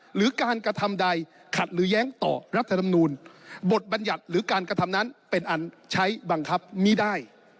หรือการกระทำใดขัดหรือแย้งต่อรัฐธรรมนูลบทบัญญัติหรือการกระทำนั้นเป็นอันใช้บังคับไม่ได้